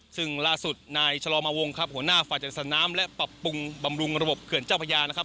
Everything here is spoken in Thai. ซึ่งล่าสุดนายชะลอมวงครับหัวหน้าฝ่ายจัดสนามและปรับปรุงบำรุงระบบเขื่อนเจ้าพญานะครับ